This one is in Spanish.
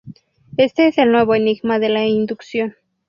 Este es el nuevo enigma de la inducción.